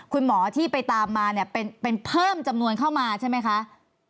คุณหมอที่ไปตามมาเนี่ยเป็นเพิ่มจำนวนเข้ามาใช่ไหมคะ